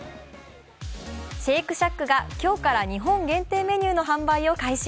シェイクシャックが今日から日本限定メニューの販売を開始。